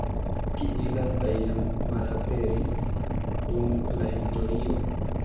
Tiuj lastaj jam malaperis dum la historio.